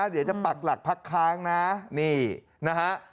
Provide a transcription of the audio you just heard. เดี๋ยวจะปักหลักพักค้างนะนี่นะฮะ